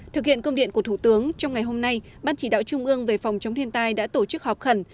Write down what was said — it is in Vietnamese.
thực hiện công điện của thủ tướng trong ngày hôm nay ban chỉ đạo trung ương về phòng chống thiên tai đã tổ chức họp khẩn